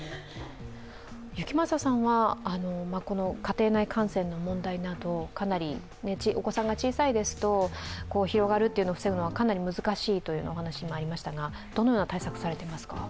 行正さんは家庭内感染の問題など、お子さんが小さいですと広がるを防ぐのはかなり難しいというお話がありましたがどのような対策されていますか？